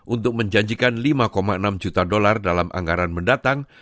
untuk menjanjikan lima enam juta dolar dalam anggaran mendatang